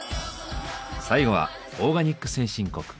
最後はオーガニック先進国